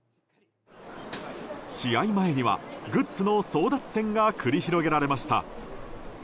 試合前にはグッズの争奪戦が繰り広げられました。